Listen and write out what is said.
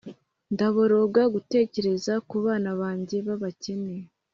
ndaboroga gutekereza ku bana banjye b'abakene